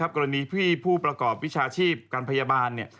กรณีที่ผู้ประกอบวิชาชีพการพยาบาล